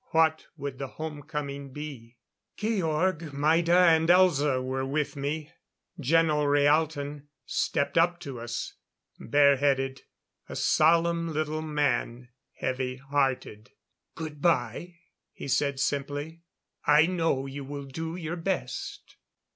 What would the home coming be? Georg, Maida and Elza were with me. Geno Rhaalton stepped up to us. Bare headed. A solemn little man, heavy hearted. "Good by," he said simply. "I know you will do your best."